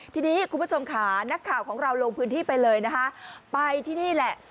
ทีนี้คุณผู้ชมค่ะนักข่าวของเราลงพื้นที่ไปเลยนะคะไปที่นี่แหละ